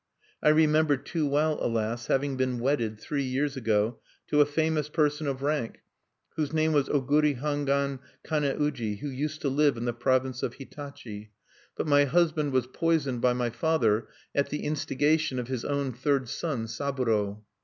"I remember too well, alas! having been wedded, three years ago, to a famous person of rank, whose name was Oguri Hangwan Kane uji, who used to live in the province of Hitachi. But my husband was poisoned by my father at the instigation of his own third son, Saburo.